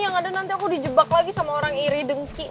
yang ada nanti aku dijebak lagi sama orang iri dengki